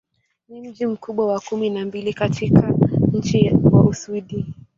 Ni mji mkubwa wa kumi na mbili katika nchi wa Uswidi.